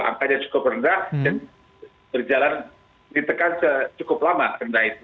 angkanya cukup rendah dan berjalan ditekan cukup lama